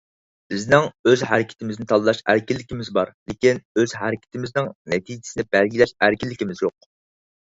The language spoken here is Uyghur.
بىزنىڭ ئۆز ھەرىكىتىمىزنى تاللاش ئەركىنلىكىمىز بار، لېكىن ئۆز ھەرىكىتىمىزنىڭ نەتىجىسىنى بەلگىلەش ئەركىنلىكىمىز يوق.